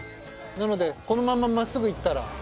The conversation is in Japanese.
なのでこのまま真っすぐ行ったら。